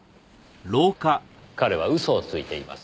彼は嘘をついています。